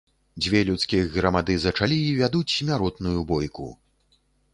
Дзве людскіх грамады зачалі і вядуць смяротную бойку.